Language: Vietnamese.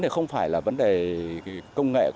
không phải là vấn đề công nghệ